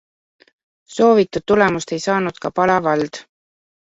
Soovitud tulemust ei saanud ka Pala vald.